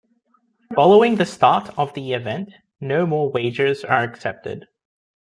Following the start of the event, no more wagers are accepted.